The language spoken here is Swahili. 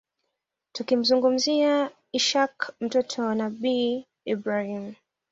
Tukimzungumzia ishaaq mtoto wa Nabii Ibraahiym